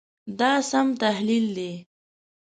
دا سم تحلیل دی.